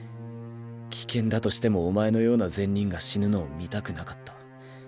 危険だとしてもお前のような善人が死ぬのを見たくなかった。